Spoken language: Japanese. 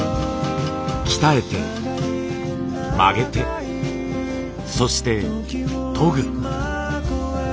鍛えて曲げてそして研ぐ。